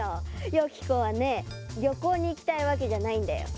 よき子はねりょこうにいきたいわけじゃないんだよね？